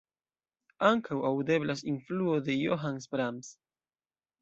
Ankaŭ aŭdeblas influo de Johannes Brahms.